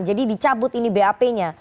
jadi dicabut ini bap nya